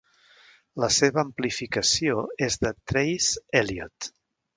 La seva amplificació és de Trace Elliot.